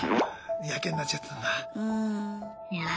やけになっちゃったんだ。